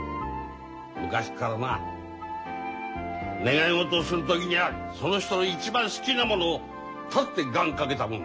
昔っからな願い事する時にゃその人の一番好きなものを断って願かけたもんだ。